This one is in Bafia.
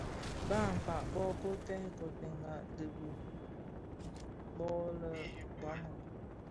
Bakpag bō kotèn kotènga dhi bë dho bë lè baloum,